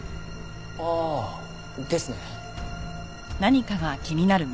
ああですね。